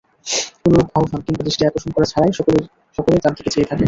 কোনরূপ আহবান কিংবা দৃষ্টি আকর্ষণ করা ছাড়াই সকলেই তার দিকে চেয়ে থাকে।